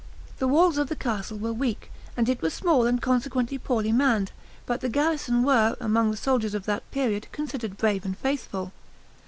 The walls of the castle were weak, and it was small, and consequently poorly manned, but the garrison were, among the soldiers of that period, considered brave and faithful.